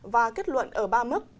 và kết luận ở ba mức